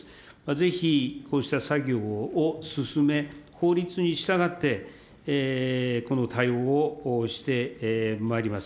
ぜひこうした作業を進め、法律に従って、この対応をしてまいります。